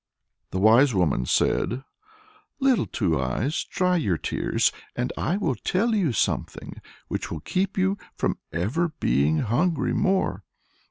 The wise woman said, "Little Two Eyes, dry your tears, and I will tell you something which will keep you from ever being hungry more.